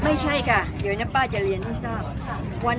ไม่ใช่ค่ะเดี๋ยวเนี้ยจะเรียนที่ทราบเญจังหวัด